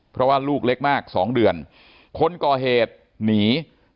เพราะว่าลูกเล็กมากสองเดือนคนก่อเหตุหนี